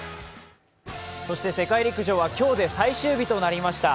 そして世界陸上は今日で最終日となりました。